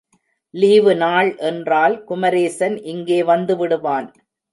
லீவுநாள் என்றால் குமரேசன் இங்கே வந்துவிடுவான்.